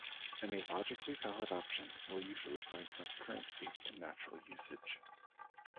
Any logically valid option will usually find some currency in natural usage.